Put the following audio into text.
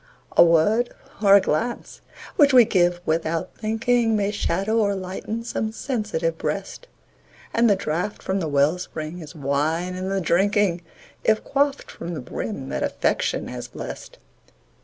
A word or a glance which we give "without thinking", May shadow or lighten some sensitive breast; And the draught from the well spring is wine in the drinking, If quaffed from the brim that Affection has blest.